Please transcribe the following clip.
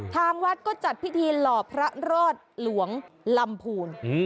ทางวัดก็จัดพิธีหล่อพระรอดหลวงลำพูน